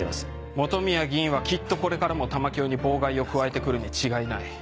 本宮議員はきっとこれからも玉響に妨害を加えてくるに違いない。